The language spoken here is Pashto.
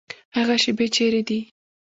هغه شیبې چیري دي؟